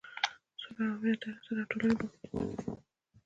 سوله او امنیت د هر انسان او ټولنې بنسټیزه اړتیا ده.